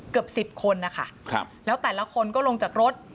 เกือบ๑๐คนนะคะแล้วแต่ละคนก็ลงจากรถ